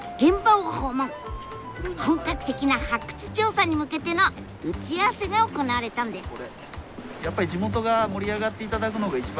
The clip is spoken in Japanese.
本格的な発掘調査に向けての打ち合わせが行われたんです。